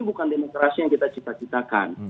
bukan demokrasi yang kita cita citakan